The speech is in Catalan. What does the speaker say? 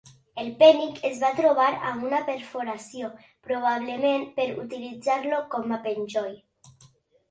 El penic es va trobar amb una perforació, probablement per utilitzar-lo com a penjoll.